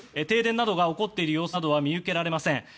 停電が起こっている様子などは見受けられません。